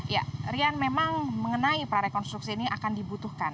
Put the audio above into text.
ya rian memang mengenai prarekonstruksi ini akan dibutuhkan